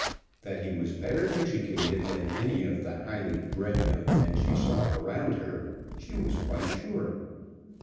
That he was better educated than any of the highly bred young men she saw around her, she was quite sure.